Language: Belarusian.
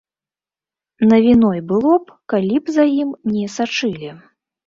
Навіной было б, калі б за ім не сачылі.